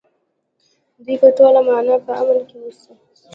دوی په ټوله مانا په امن کې اوسي.